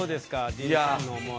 ディーンさんの思い。